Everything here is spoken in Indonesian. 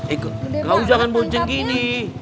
eh kau jangan boncing gini